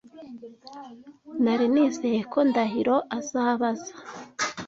Nari nizeye ko Ndahiro azabaza.